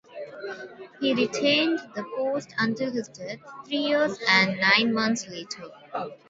He retained the post until his death three years and nine months later.